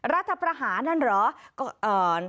รัฐประหารนั่นเหรอ